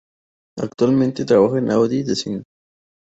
Actualmente trabaja en Audi Design.